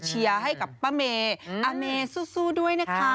เชียร์ให้กับป้าเมอาเมสู้สู้ด้วยนะคะ